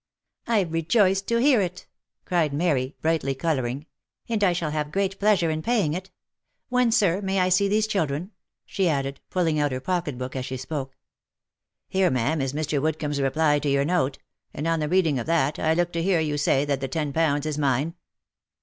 " I rejoice to hear it," cried Mary, brightly colouring ;" and I shall have great pleasure in paying it. When, sir, may I see these chil dren ?" she added, pulling out her pocket book as she spoke. " Here, ma'arn, is Mr. Woodco nib's reply to your note, and on the reading of that, I look to hear you say that the ten pounds is mine."